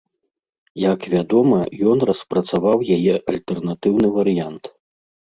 Як вядома, ён распрацаваў яе альтэрнатыўны варыянт.